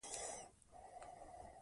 زموږ په هېواد کې د بادونو کچه زیاته ده.